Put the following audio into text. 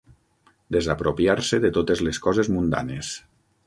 Desapropiar-se de totes les coses mundanes.